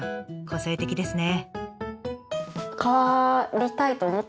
個性的ですね。